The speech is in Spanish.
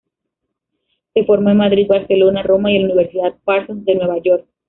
Se forma en Madrid, Barcelona, Roma y en la Universidad Parsons de Nueva York.